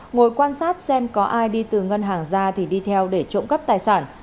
ngồi quan sát xem có ai đi từ ngân hàng ra thì đi theo để trộm cắp tài sản